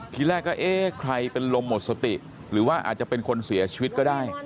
ทีแรกก็เอ๊ะใครเป็นลมหมดสติหรือว่าอาจจะเป็นคนเสียชีวิตก็ได้